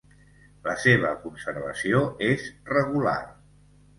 La seva conservació és regular.